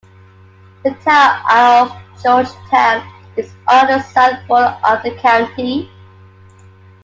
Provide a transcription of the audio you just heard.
The Town of Georgetown is on the south border of the county.